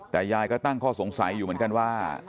แต่ยายก็ตั้งข้อสงสัยอยู่เหมือนกันว่า